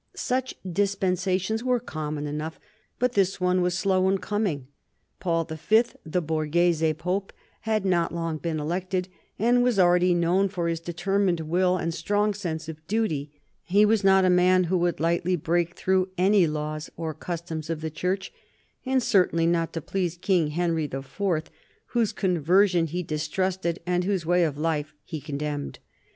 Such dispensations were common enough, but this one was slow in coming. Paul V., the Borghese Pope, had not long been elected, but was already known for his determined will and strong sense of duty. He was not a man who would lightly break through any laws or customs of the Church, and certainly not to please King Henry IV., whose conversion he distrusted and whose way of life he condemned.